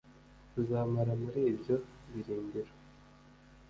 tuzamara muri ibyo birindiro.